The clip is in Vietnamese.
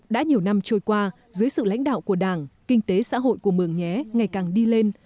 đã nhiều năm trôi qua dưới sự lãnh đạo của đảng kinh tế xã hội của mường nhé ngày càng đi lên